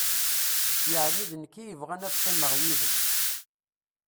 Yeɛni d nekk i yebɣan ad qqimeɣ yid-s.